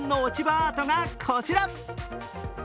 アートがこちら。